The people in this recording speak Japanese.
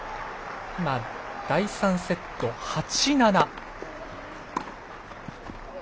第３セット、８−７。